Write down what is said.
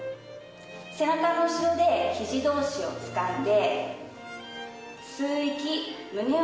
背中の後ろでひじ同士をつかんで。